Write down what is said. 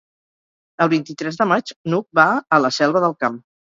El vint-i-tres de maig n'Hug va a la Selva del Camp.